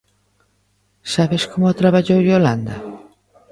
Sabes como o traballou Iolanda?